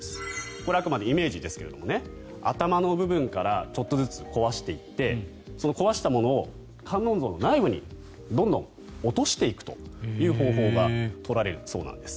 これはあくまでイメージですが頭の部分からちょっとずつ壊していってその壊したものを観音像の内部にどんどん落としていくという方法が取られるそうなんです。